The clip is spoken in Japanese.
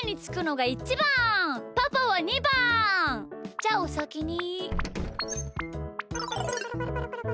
じゃおさきに。